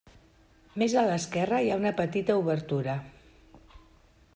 Més a l'esquerra hi ha una petita obertura.